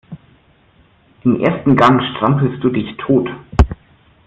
Im ersten Gang strampelst du dich tot.